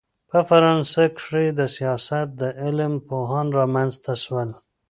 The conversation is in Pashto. په فرانسه کښي دسیاست د علم پوهان رامنځ ته سول.